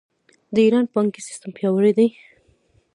د ایران بانکي سیستم پیاوړی دی.